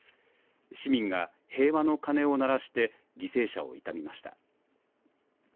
市民が平和の鐘を鳴らして犠牲者を悼みました。